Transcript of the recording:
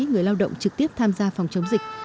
người lao động trực tiếp tham gia phòng chống dịch